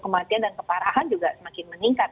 kematian dan keparahan juga semakin meningkat